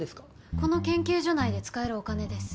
この研究所内で使えるお金です。